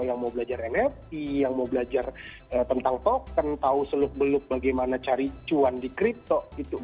yang mau belajar nft yang mau belajar tentang token tahu seluk beluk bagaimana cari cuan di crypto gitu